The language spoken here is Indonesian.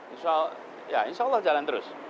insya allah jalan terus